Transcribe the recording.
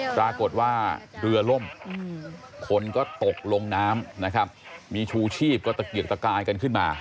ปรากฏว่าเรือล่มคนก็ตกลงน้ำนะครับมีชูชีพก็ตะเกียกตะกายกันขึ้นมา